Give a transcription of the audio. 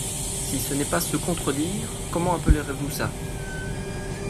Si ce n’est pas se contredire, Comment appellerez-vous ça ?